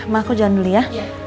mak aku jangan nulih ya